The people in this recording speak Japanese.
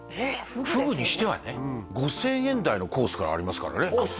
ふぐにしてはね５０００円代のコースからありますからねあっ